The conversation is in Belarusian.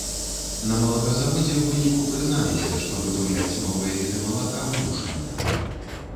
На малаказаводзе ў выніку прызналіся, што выдумляць новыя віды малака вымушаныя.